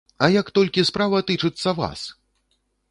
А як толькі справа тычыцца вас!